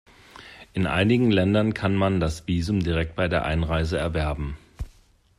In einigen Ländern kann man das Visum direkt bei der Einreise erwerben.